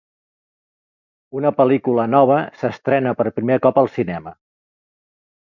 Una pel·lícula nova s'estrena per primer cop al cinema.